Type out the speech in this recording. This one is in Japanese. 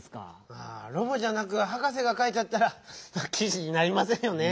ああロボじゃなくハカセがかいちゃったらきじになりませんよねぇ。